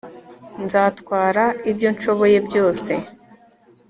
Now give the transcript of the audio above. nzatwara ibyo nshoboye byose